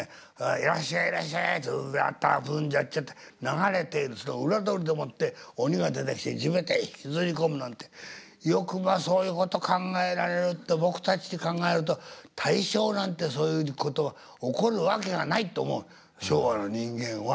いらっしゃいいらっしゃいうんちゃっちゃぶんちゃっちゃって流れているその裏通りでもって鬼が出てきて地べたへ引きずり込むなんてよくまあそういうこと考えられるって僕たちで考えると大正なんてそういうことは起こるわけがないって思う昭和の人間は。